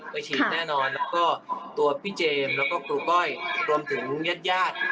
ไปฉีดแน่นอนแล้วก็ตัวพี่เจมส์แล้วก็ครูก้อยรวมถึงญาติญาติ